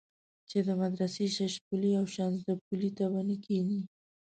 چې د مدرسې ششپولي او شانزدا پلي ته به نه کېنې.